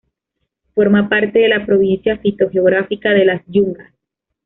Forma parte de la provincia fitogeográfica de las yungas.